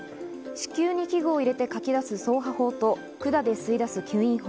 子宮に器具を入れて掻き出す掻爬法と管で吸い出す吸引法。